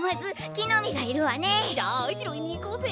じゃあひろいにいこうぜ。